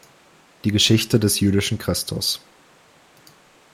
Die Geschichte des jüdischen Christus.